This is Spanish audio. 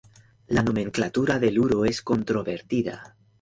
La nomenclatura del uro es controvertida.